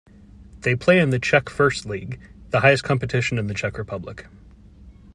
They play in the Czech First League, the highest competition in the Czech Republic.